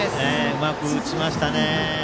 うまく打ちましたね。